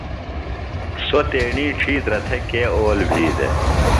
سوۡتیݨی ڇِھیترہ تھےۡ کے اول بھی دےۡ؟